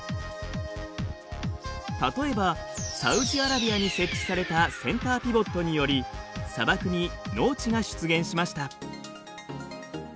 例えばサウジアラビアに設置されたセンターピボットにより砂漠に農地が出現しました。